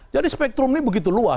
jadi spektrum ini begitu luas